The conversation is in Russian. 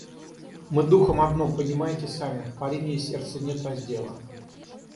Мы духом одно, понимаете сами: по линии сердца нет раздела.